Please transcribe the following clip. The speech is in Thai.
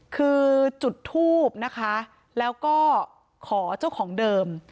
คือจุดทูบนะคะแล้วก็ขอเจ้าของเดิม